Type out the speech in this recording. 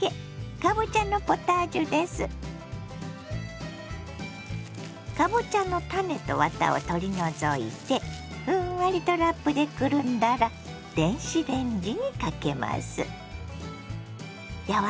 かぼちゃの種とワタを取り除いてふんわりとラップでくるんだら電子レンジにかけます。